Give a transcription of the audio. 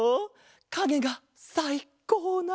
かげがさいこうな